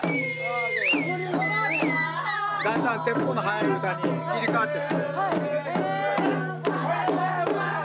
だんだんテンポの速い唄に切り替わっていく